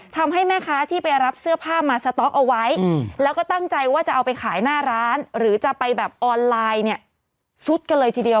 ทำให้แม่ค้าที่ไปรับเสื้อผ้ามาสต๊อกเอาไว้แล้วก็ตั้งใจว่าจะเอาไปขายหน้าร้านหรือจะไปแบบออนไลน์เนี่ยซุดกันเลยทีเดียว